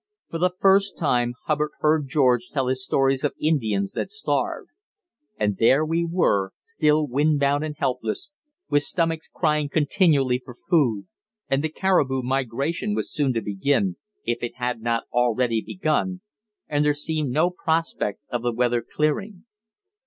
For the first time Hubbard heard George tell his stories of Indians that starved. And there we were still windbound and helpless, with stomachs crying continually for food. And the caribou migration was soon to begin, if it had not already begun, and there seemed no prospect of the weather clearing.